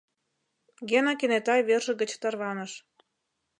Гена кенета верже гыч тарваныш: